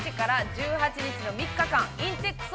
月曜日の３日間インテックス